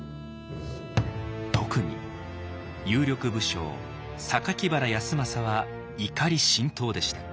特に有力武将原康政は怒り心頭でした。